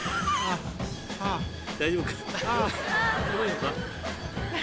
大丈夫か？